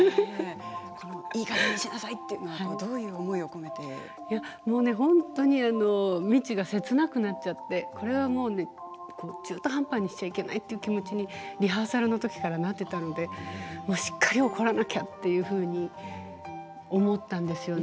いいかげんにしなさいというのはどういう思いを本当に未知が切なくなっちゃって、これはもう中途半端にしちゃいけないという気持ちにリハーサルのときからなっていたのでもうしっかり怒らなきゃというふうに思ったんですよね。